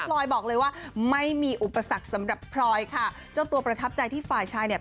พลอยบอกเลยว่าไม่มีอุปสรรคสำหรับพลอยค่ะเจ้าตัวประทับใจที่ฝ่ายชายเนี่ย